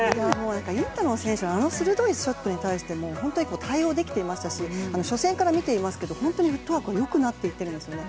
インタノン選手のあの鋭いショットに対しても本当に対応できていましたし初戦から見ていますけど本当にフットワークが良くなっていっているんですね。